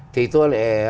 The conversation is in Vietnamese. thì tôi lại